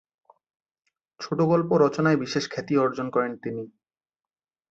ছোটগল্প রচনায় বিশেষ খ্যাতি অর্জন করেন তিনি।